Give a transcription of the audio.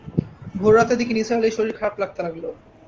ভোররাতের দিকে নিসার আলির শরীর খারাপ লাগতে লাগল।